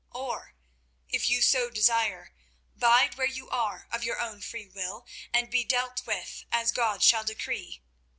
Or, if you so desire, bide where you are of your own free will, and be dealt with as God shall decree.